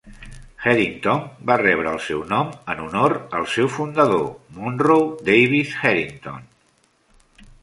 Herington va rebre el seu nom en honor al seu fundador, Monroe Davis Herington.